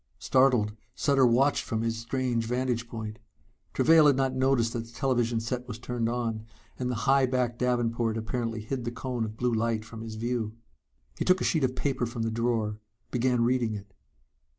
Startled, Sutter watched from his strange vantage point. Travail had not noticed that the television set was turned on, and the high backed davenport apparently hid the cone of blue light from his view. He took a sheet of paper from the drawer, began reading it.